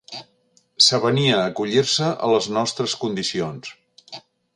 S'avenia a acollir-se a les nostres condicions.